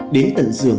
đến tận giường